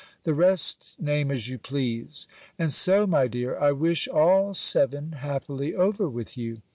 The rest name as you please. And so, my dear, I wish all seven happily over with you.